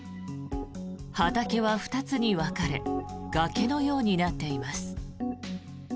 畑は２つに分かれ崖のようになっています。